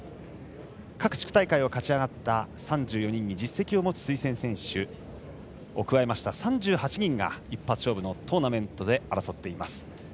各地区大会を勝ち上がった３４人に実績を持つ推薦選手を加えました３８人が一発勝負のトーナメントで争っています。